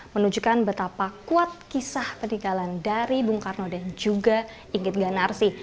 menunjukkan betapa kuat kisah peninggalan dari bung karno dan juga inggit ganarsi